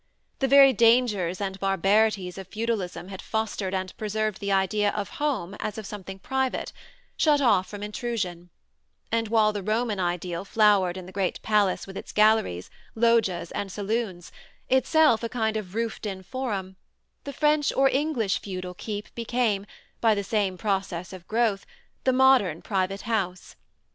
The very dangers and barbarities of feudalism had fostered and preserved the idea of home as of something private, shut off from intrusion; and while the Roman ideal flowered in the great palace with its galleries, loggias and saloons, itself a kind of roofed in forum, the French or English feudal keep became, by the same process of growth, the modern private house.